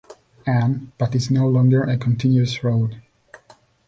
Anne, but is no longer a continuous road.